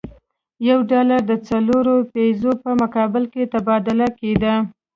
یو ډالر د څلورو پیزو په مقابل کې تبادله کېده.